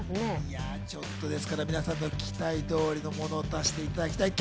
皆さんの期待通りのものを出していただきたい。